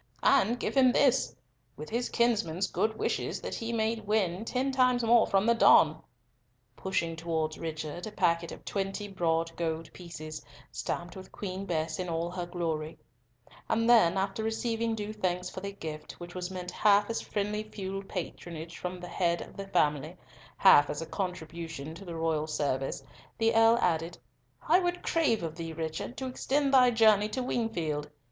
"And give him this, with his kinsman's good wishes that he may win ten times more from the Don," pushing towards Richard a packet of twenty broad gold pieces, stamped with Queen Bess in all her glory; and then, after receiving due thanks for the gift, which was meant half as friendly feudal patronage from the head of the family, half as a contribution to the royal service, the Earl added, "I would crave of thee, Richard, to extend thy journey to Wingfield.